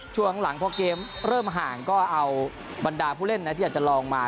ช่วงหลังพอเกมเริ่มห่างก็เอาบรรดาผู้เล่นที่อาจจะลองมา